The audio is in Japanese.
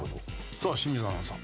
さあ清水アナウンサー。